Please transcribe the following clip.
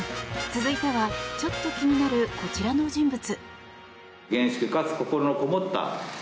続いてはちょっと気になるこちらの人物。